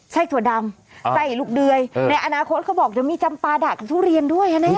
ไส้ตัวดำไส้ลูกเดือยในอนาคตเขาบอกจะมีจำปลาดากกับทุเรียนด้วยนะเนี้ย